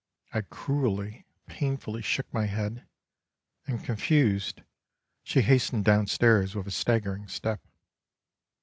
I cruelly, pain fully shook my head, and confused, she hastened downstairs with a staggering step.